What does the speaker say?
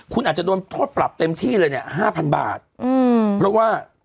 คุณอาจจะโดนโทษปรับเต็มที่เลยเนี่ยห้าพันบาทอืมเพราะว่า